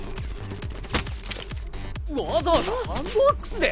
「」わざわざハンドアックスで！？